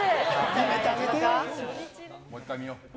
やめてあげてよ。